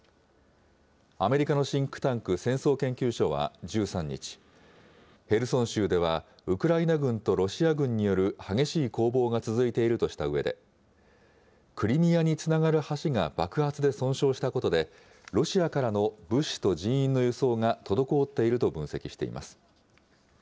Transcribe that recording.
アメリカのシンクタンク、戦争研究所は１３日、ヘルソン州ではウクライナ軍とロシア軍による激しい攻防が続いているとしたうえで、クリミアにつながる橋が爆発で損傷したことで、ロシアからの物資と人員の輸送が滞っていると分析しています。